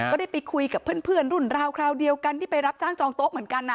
ก็ได้ไปคุยกับเพื่อนรุ่นราวคราวเดียวกันที่ไปรับจ้างจองโต๊ะเหมือนกันนะ